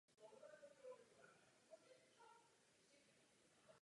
Sbor dobrovolných hasičů je jeden z nejstarších v kraji.